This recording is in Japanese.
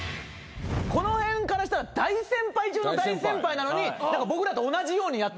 この辺からしたら大先輩中の大先輩なのに僕らと同じようにやってくるから。